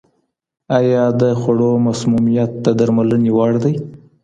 آیا د خوړو مسمومیت د درملنې وړ دی؟